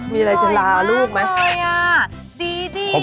มีอะไรจะลาลูกไหม